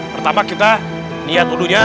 pertama kita lihat udhunya